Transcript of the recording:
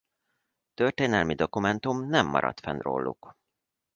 Történelmi dokumentum nem maradt fenn róluk.